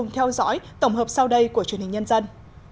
theo dõi tổng hợp sau đây của truyền hình nhân dân